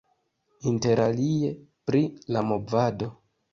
Interalie pri la movado.